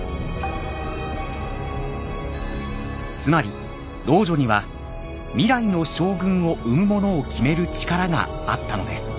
つまり老女には未来の将軍を産む者を決める力があったのです。